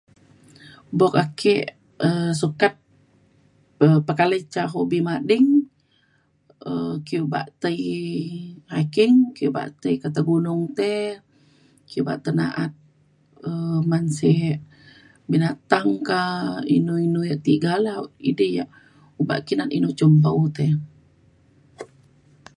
buk ake um sokat um pekalai ca hobi mading um ake ubak tai hiking ake obak tai kata gunung tey, ake ubak tai na'at um man sik binatang ka, inu inu ya' tiga la idi ya' ubak ake inu cun mpau te